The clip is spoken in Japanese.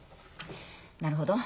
なるほど。